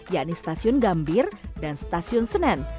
yakni stasiun gambir dan stasiun senen